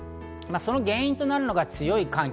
原因となるのが強い寒気。